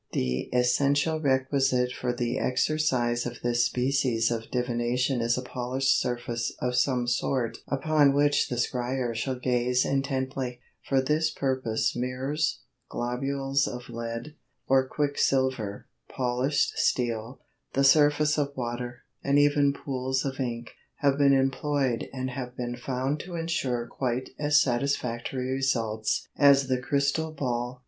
The essential requisite for the exercise of this species of divination is a polished surface of some sort upon which the scryer shall gaze intently; for this purpose mirrors, globules of lead or quicksilver, polished steel, the surface of water, and even pools of ink, have been employed and have been found to insure quite as satisfactory results as the crystal ball.